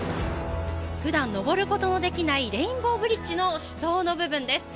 普段上ることのできないレインボーブリッジの主塔の部分です。